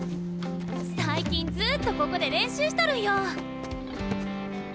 最近ずっとここで練習しとるんよ。